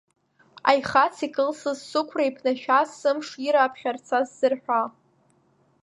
Аихац икылсыз, сықәра иԥнашәаз, сымыш ира аԥхьарца сзарҳәа.